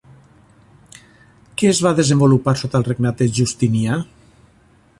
Què es va desenvolupar sota el regnat de Justinià?